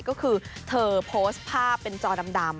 ก็คือเธอโพสต์ภาพเป็นจอดำ